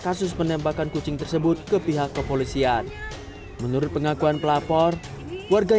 kasus penembakan kucing tersebut ke pihak kepolisian menurut pengakuan pelapor warga